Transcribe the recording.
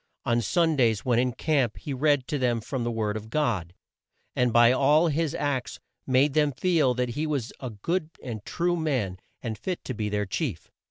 On Sundays, when in camp, he read to them from the word of God, and by all his acts made them feel that he was a good and true man, and fit to be their chief.